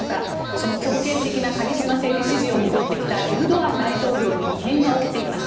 その強権的なカリスマ性で支持を誇ってきたエルドアン大統領に異変が起きています。